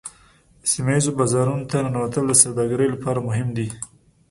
سیمه ایزو بازارونو ته ننوتل د سوداګرۍ لپاره مهم دي